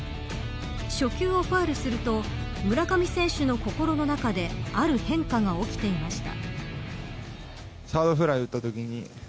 初球をファウルすると村上選手の心の中である変化が起きていました。